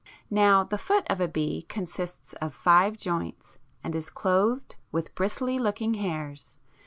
Now the foot of a bee consists of five joints, and is clothed with bristly looking hairs.